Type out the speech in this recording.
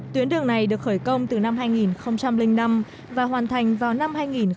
tuyến đường này được khởi công từ năm hai nghìn năm và hoàn thành vào năm hai nghìn một mươi